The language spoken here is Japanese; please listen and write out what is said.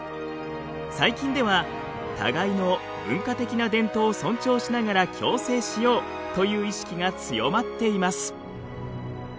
最近では互いの文化的な伝統を尊重しながら共生しようという意識が強まっています。